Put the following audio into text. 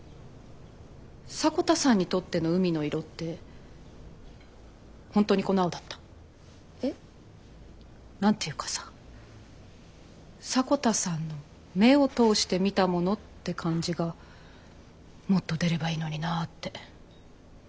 迫田さんにとっての海の色って本当にこの青だった？えっ？なんて言うかさ迫田さんの目を通して見たものって感じがもっと出ればいいのになって。